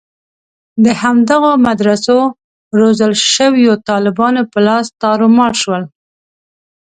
د همدغو مدرسو روزل شویو طالبانو په لاس تارومار شول.